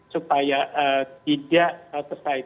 supaya tidak terkait